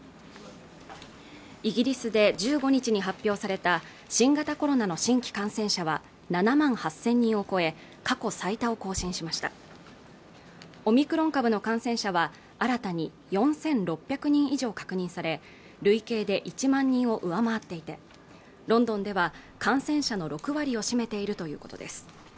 イギリスで１５日に発表された新型コロナの新規感染者は７万８０００人を超え過去最多を更新しましたオミクロン株の感染者は新たに４６００人以上確認され累計で１万人を上回っていてロンドンでは感染者の６割を占めているということです